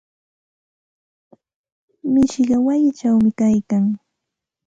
Mishiqa wayichawmi kaykan.